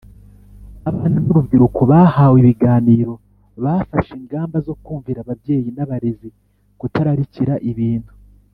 Abana n urubyiruko bahawe ibiganiro bafashe ingamba zo kumvira ababyeyi n abarezi kutararikira ibintu